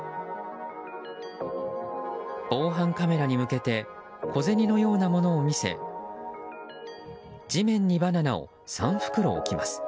防犯カメラに向けて小銭のようなものを見せ地面にバナナを３袋置きます。